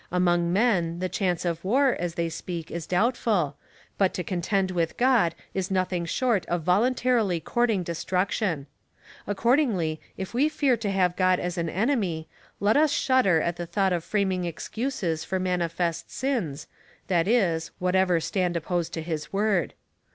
^ Among men the chance of war, as they speak, is doubtful, but to contend with God is nothing short of voluntarily courting destruction. Accordingly, if we fear to have God as an enemy, let us shudder at the thought of framing excuses for manifest sins, that is, whatever stand opposed to his word.